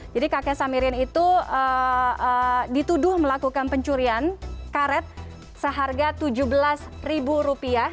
jadi kakek samirin itu dituduh melakukan pencurian karet seharga tujuh belas ribu rupiah